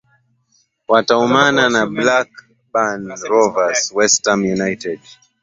wataumana na blackburn rovers westham united